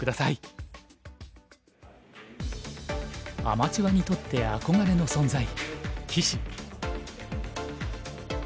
アマチュアにとって憧れの存在棋士。